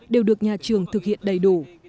đều được nhà trường thực hiện đầy đủ